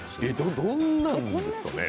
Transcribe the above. どんなんですかね？